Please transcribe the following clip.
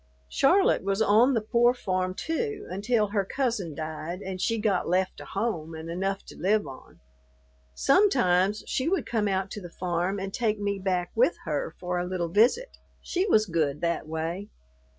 Charlotte was on the pore farm too, until her cousin died and she got left a home and enough to live on. Sometimes she would come out to the farm and take me back with her for a little visit. She was good that way.